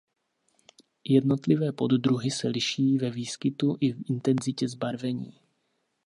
Jednotlivé poddruhy se liší ve výskytu i intenzitě zbarvení.